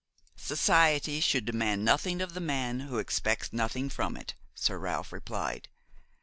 "Society should demand nothing of the man who expects nothing from it," Sir Ralph replied.